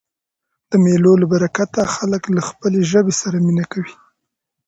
د مېلو له برکته خلک له خپلي ژبي سره مینه کوي.